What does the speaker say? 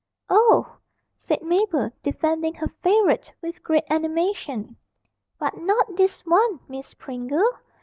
'Oh,' said Mabel, defending her favourite with great animation, 'but not this one, Miss Pringle.